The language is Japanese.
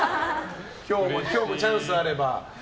今日もチャンスあれば。